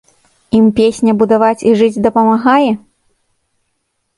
Ім песня будаваць і жыць дапамагае?